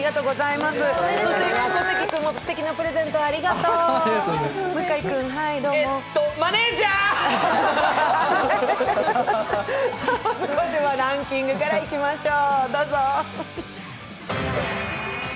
まずはランキングからいきましょう。